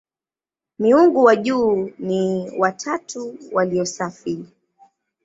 Miungu wa juu ni "watatu walio safi".